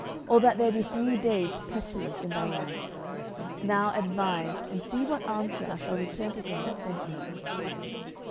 or that there be three days' pestilence in thy land? now advise, and see what answer I shall return to him that sent me.